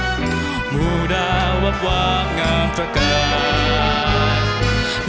ราควิพังสำราจมูดาวับว้างงามประกาศ